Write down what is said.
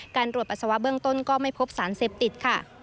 ตรวจปัสสาวะเบื้องต้นก็ไม่พบสารเสพติดค่ะ